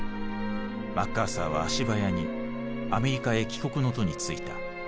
マッカーサーは足早にアメリカへ帰国の途についた。